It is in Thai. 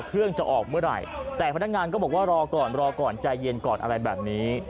เครื่องจะออกเมื่อไหร่แต่พนักงานก็บอกว่ารอก่อนรอก่อนใจเย็นก่อนอะไรแบบนี้